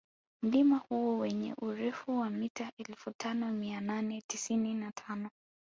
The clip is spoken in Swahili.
Mlima huo wenye urefu wa mita elfu tano mia nane tisini na tano